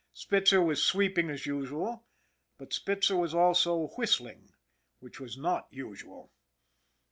Spitzer was sweeping as usual, but Spitzer was also whistling which was not usual.